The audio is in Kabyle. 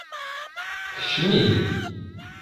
Kcem ihi.